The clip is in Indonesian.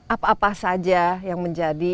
apa apa saja yang menjadi